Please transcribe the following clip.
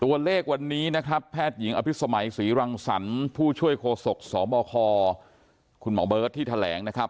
ตัวเลขวันนี้นะครับแพทย์หญิงอภิษมัยศรีรังสรรค์ผู้ช่วยโคศกสบคคุณหมอเบิร์ตที่แถลงนะครับ